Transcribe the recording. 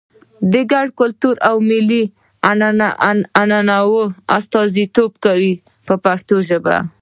د ګډ کلتور او ملي عنعنو استازیتوب کوي په پښتو ژبه.